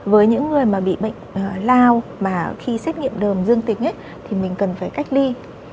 với những người mà bị bệnh lao mà khi xét nghiệm đờm dương tính thì mình cần phải cách ly